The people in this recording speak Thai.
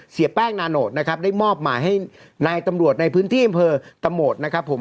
เสียแป้งนาโนตนะครับได้มอบหมายให้นายตำรวจในพื้นที่อำเภอตะโหมดนะครับผม